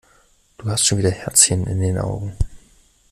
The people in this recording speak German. Du hast schon wieder Herzchen in den Augen.